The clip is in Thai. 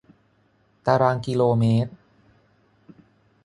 ตารางกิโลเมตร